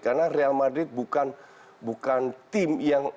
karena real madrid bukan tim yang